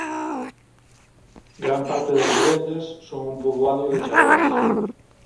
Gran parte das vivendas son un poboado de chabolas.